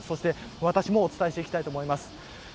私もお伝えしていきたいと思います。